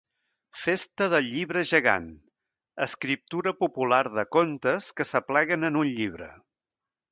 Festa del Llibre Gegant: escriptura popular de contes que s'apleguen en un llibre.